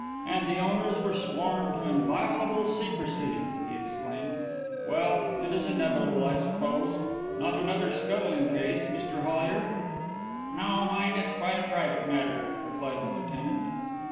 "And the owners were sworn to inviolable secrecy!" he exclaimed. "Well, it is inevitable, I suppose. Not another scuttling case, Mr Hollyer?" "No, mine is quite a private matter," replied the lieutenant.